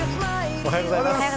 おはようございます。